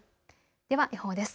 では予報です。